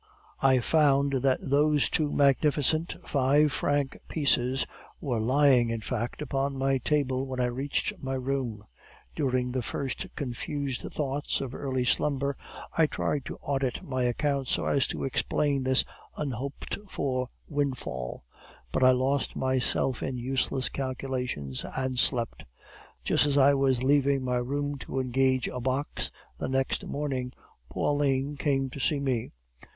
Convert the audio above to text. "I found that those two magnificent five franc pieces were lying, in fact, upon my table when I reached my room. During the first confused thoughts of early slumber, I tried to audit my accounts so as to explain this unhoped for windfall; but I lost myself in useless calculations, and slept. Just as I was leaving my room to engage a box the next morning, Pauline came to see me.